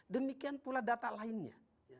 demikian pula data lainnya